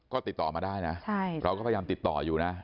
ก็ติดต่อมาได้นะเราก็พยายามติดต่ออยู่นะ